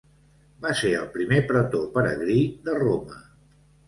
Va ser el primer pretor peregrí de Roma.